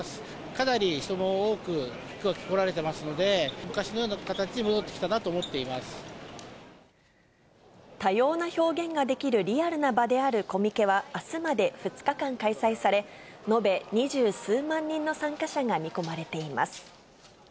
かなり人も多く来られてますので、昔のような形に戻ってきたなと思多様な表現ができる、リアルな場であるコミケは、あすまで２日間開催され、延べ二十数万人の参加者が見込まれています。